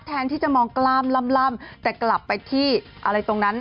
แทนที่จะมองกล้ามล่ำแต่กลับไปที่อะไรตรงนั้น